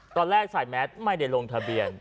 ตอนแรกไซมัทไม่ได้ลงทะเบียน